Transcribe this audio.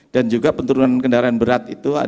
dan juga penurunan kendaraan berat itu